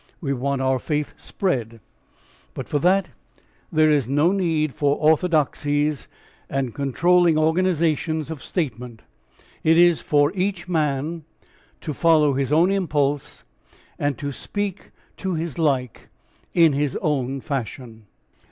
We want our faith spread, but for that there is no need for orthodoxies and controlling organisations of statement. It is for each man to follow his own impulse, and to speak to his like in his own fashion.